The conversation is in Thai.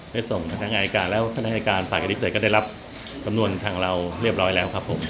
ได้ส่งพนักงานอายการแล้วท่านอายการฝ่ายคดีพิเศษก็ได้รับสำนวนทางเราเรียบร้อยแล้วครับผม